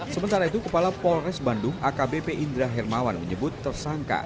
sementara itu kepala polres bandung akbp indra hermawan menyebut tersangka